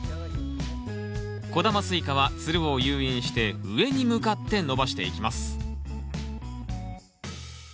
小玉スイカはつるを誘引して上に向かって伸ばしていきます